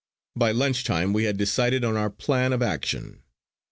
By lunch time we had decided on our plan of action.